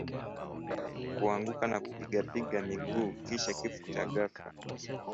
Kuanguka na kupigapiga miguu kisha kifo cha ghafla